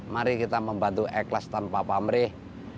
mari kita membantu ikhlas tanpa pamrih